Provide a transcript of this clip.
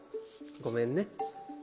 ごめんね。